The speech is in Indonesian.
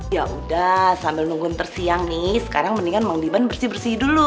yaudah sambil nunggun tersiang nih sekarang mendingan mang liman bersih bersih dulu